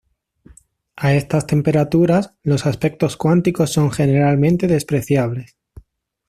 A estas temperaturas, los aspectos cuánticos son generalmente despreciables.